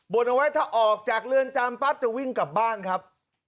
่นเอาไว้ถ้าออกจากเรือนจำปั๊บจะวิ่งกลับบ้านครับ